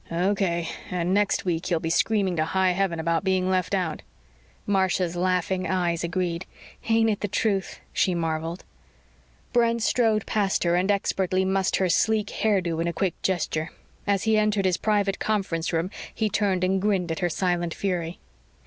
"Okay and next week he'll be screaming to high heaven about being left out." Marcia's laughing eyes agreed. "Ain't it the truth?" she marveled. Brent strode past her and expertly mussed her sleek hairdo in a quick gesture. As he entered his private conference room, he turned and grinned at her silent fury.